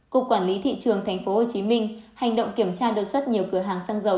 cục quản lý thị trường tp hcm hành động kiểm tra đột xuất nhiều cửa hàng xăng dầu